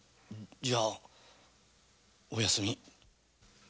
じゃお休み。